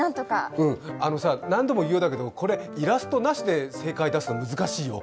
うん、あのさ、何度も言うようだけど、これ、イラストなしで正解出すのは難しいよ。